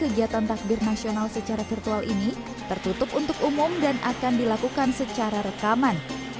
kegiatan takbir nasional secara virtual ini tertutup untuk umum dan akan dilakukan secara rekaman